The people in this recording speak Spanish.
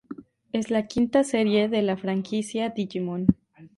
Es la quinta serie de la franquicia Digimon.